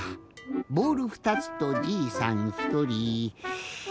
ボール２つとじいさんひとり。